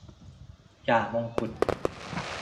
จ่ามงกุฎ